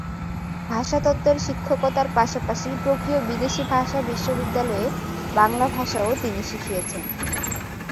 ভাষাতত্ত্বের শিক্ষকতার পাশাপাশি টোকিও বিদেশি ভাষা বিশ্ববিদ্যালয়ে বাংলা ভাষাও তিনি শিখিয়েছেন।